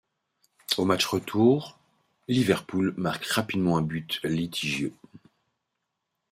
Au match retour, Liverpool marque rapidement un but litigieux.